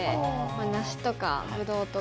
梨とかブドウとか。